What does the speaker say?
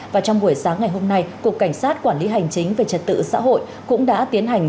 và trong buổi sáng ngày hôm nay cục cảnh sát quản lý hành chính về trật tự xã hội cũng đã tiến hành